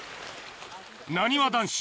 なにわ男子